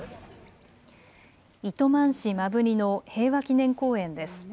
糸満市摩文仁の平和祈念公園です。